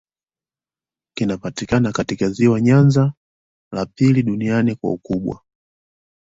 Kinapatikana katika ziwa Nyanza, la pili duniani kwa ukubwa.